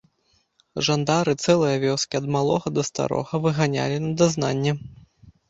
Жандары цэлыя вёскі, ад малога да старога, выганялі на дазнанне.